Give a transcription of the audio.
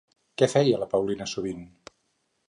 Què feia la Paulina sovint?